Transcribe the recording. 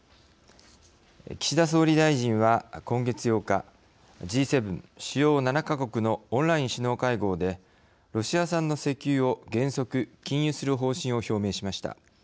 岸田総理大臣は今月８日Ｇ７＝主要７か国のオンライン首脳会合でロシア産の石油を原則禁輸する方針を表明しました。